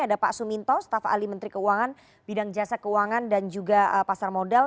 ada pak suminto staf ahli menteri keuangan bidang jasa keuangan dan juga pasar modal